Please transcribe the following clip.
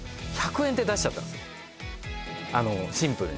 シンプルに。